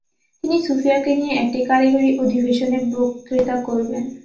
তিনি সোফিয়াকে নিয়ে একটি কারিগরি অধিবেশনে বক্তৃতা করবেন।